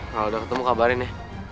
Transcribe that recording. kalo udah ketemu kabarin ya